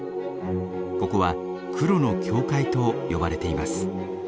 ここは黒の教会と呼ばれています。